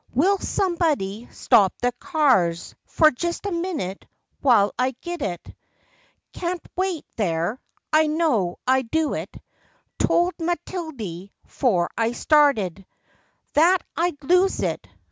Will somebody stop the cars for Jest a minnit, while I git it? Can't! well, there! I know'd I do it; 'Told Matildy 'fore I started, That I'd lose it.